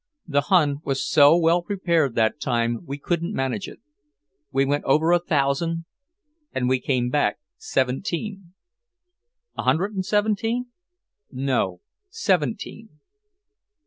The Hun was so well prepared that time, we couldn't manage it. We went over a thousand, and we came back seventeen." "A hundred and seventeen?" "No, seventeen."